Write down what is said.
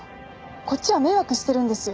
こっちは迷惑してるんですよ。